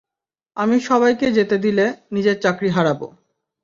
আমি সবাইকে যেতে দিলে, নিজের চাকরি হারাবো।